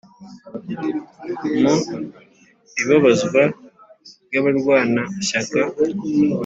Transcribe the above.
mu ibabazwa ry’abarwanashyaka